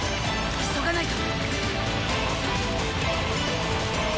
急がないと！